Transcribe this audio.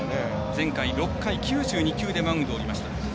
前回は６回９２球でマウンドを降りました。